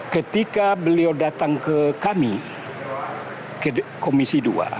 ketika beliau datang ke kami ke komisi dua